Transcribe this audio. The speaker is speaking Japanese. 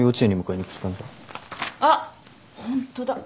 あっホントだ。